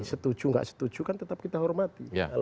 setuju atau tidak setuju kan tetap kita hormati